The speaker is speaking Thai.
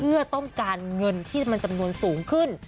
เพื่อต้องการเงินที่มันจำนวนสูงขึ้น